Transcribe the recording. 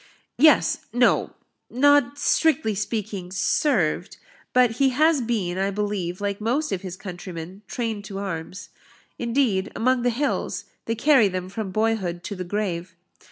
"Yes no not, strictly speaking, served; but he has been, I believe, like most of his countrymen, trained to arms. Indeed, among the hills, they carry them from boyhood to the grave.